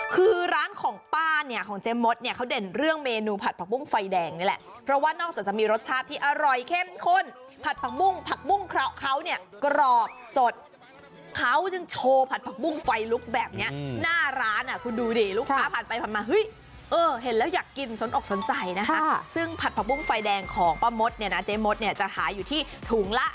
คือร้านของป้าเนี่ยของเจ๊มดเนี่ยเขาเด่นเรื่องเมนูผัดผักปุ้งไฟแดงนี่แหละเพราะว่านอกจากจะมีรสชาติที่อร่อยเข้มขนผัดผักปุ้งผักปุ้งเขาเขาเนี่ยกรอบสดเขาจึงโชว์ผัดผักปุ้งไฟลุคแบบเนี้ยหน้าร้านอ่ะคุณดูดิลูกพ้าผ่านไปผ่านมาเห้ยเออเห็นแล้วอยากกินสนอกสนใจนะฮะซึ่งผัดผักปุ